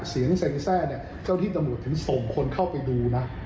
เสียงเซ็งแทร่เนี่ยเจ้าที่ตำรวจถึงส่งคนเข้าไปดูนะ